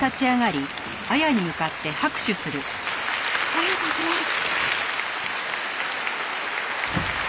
ありがとうございます。